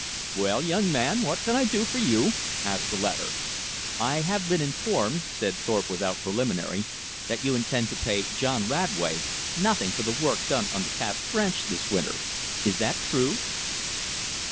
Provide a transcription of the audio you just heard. "Well, young man, what can I do for you?" asked the latter. "I have been informed," said Thorpe without preliminary, "that you intend to pay John Radway nothing for the work done on the Cass Branch this winter. Is that true?"